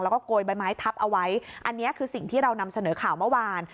แล้วก็โกยใบไม้ทับเอาไว้อันนี้คือสิ่งที่เรานำเสนอข่าวเมื่อวาน